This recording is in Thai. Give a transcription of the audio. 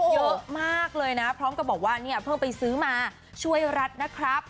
เยอะมากเลยนะพร้อมกับบอกว่าเนี่ยเพิ่งไปซื้อมาช่วยรัฐนะครับ